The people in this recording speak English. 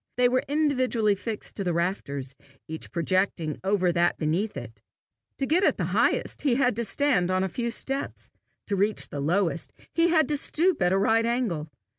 They were individually fixed to the rafters, each projecting over that beneath it. To get at the highest, he had to stand on a few steps; to reach the lowest, he had to stoop at a right angle.